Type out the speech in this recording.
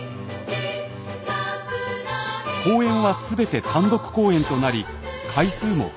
公演は全て単独公演となり回数も増えました。